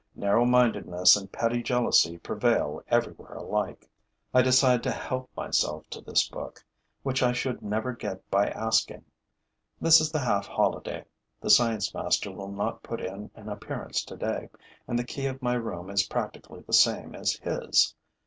Narrow mindedness and petty jealousy prevail everywhere alike. I decide to help myself to this book, which I should never get by asking. This is the half holiday. The science master will not put in an appearance today; and the key of my room is practically the same as his.